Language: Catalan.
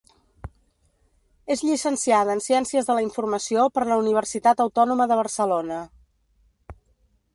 És llicenciada en Ciències de la informació per la Universitat Autònoma de Barcelona.